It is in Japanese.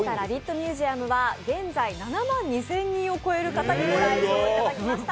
ミュージアムは現在、７万２０００人を超える方に来場していただきました。